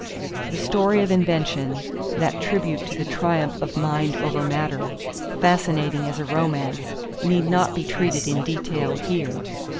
= The story of invention, that tribute to the triumph of mind over matter, fascinating as a romance, need not be treated in detail here.